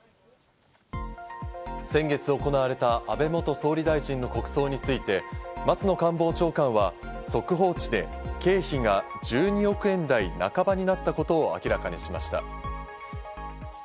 先月行われた安倍元総理大臣の国葬について、松野官房長官は速報値で経費が１２億円台半ばになったことを明らかにしました。